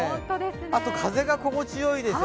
あと風が心地よいですよね。